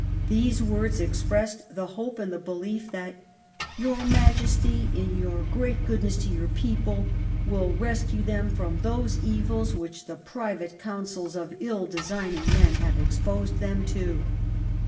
These words expressed the hope and the belief that ' your Majesty, in your great goodness to your people, wiU rescue them from those evils which the private councils of ill designing men have exposed them to.'